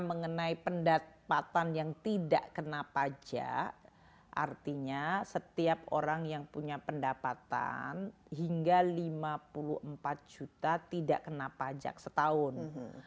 mengenai pendapatan yang tidak kena pajak artinya setiap orang yang punya pendapatan hingga lima puluh empat juta tidak kena pajak setahun